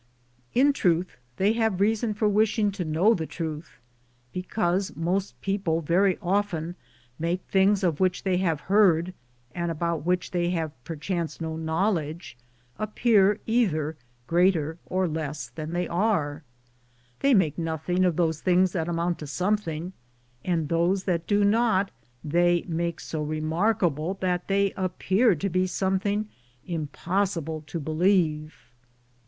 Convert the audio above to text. In truth, they have reason for wishing to know the truth, because most people very often make things of which they have heard, and about which they have perchance no knowledge, appear either greater or less than they are. They make nothing of those 1 Mendoza died in Lima, July SI, 1552. Mil ],!,r,z«j I:, Google PREFACE things that amount to something, and those that do not they make so remarkable that they appear to be something impossible to believe.